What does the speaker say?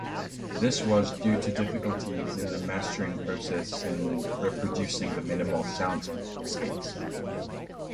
This was due to difficulties in the mastering process in reproducing the minimal soundscapes.